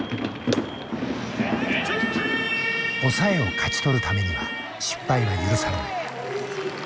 抑えを勝ち取るためには失敗は許されない。